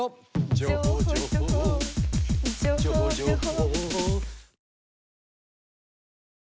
「情報情報情報情報」